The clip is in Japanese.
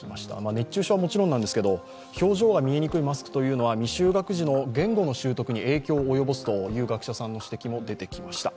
熱中症はもちろんですが表情が見えないマスクというのは未就学児の言語の習得に影響を及ぼすという学者さんの話も出てきました。